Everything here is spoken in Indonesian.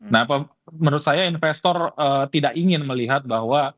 nah menurut saya investor tidak ingin melihat bahwa